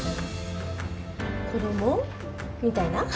子供？みたいな？